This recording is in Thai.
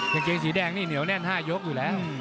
กางเกงสีแดงนี่เหนียวแน่น๕ยกอยู่แล้ว